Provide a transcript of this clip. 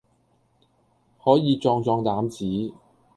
可以壯壯膽子。